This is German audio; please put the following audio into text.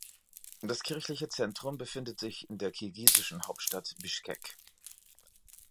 Das kirchliche Zentrum befindet sich in der kirgisischen Hauptstadt Bischkek.